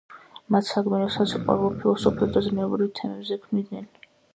მათ საგმირო, სასიყვარულო, ფილოსოფიურ თუ ზნეობრივ თემებზე ქმნიდნენ.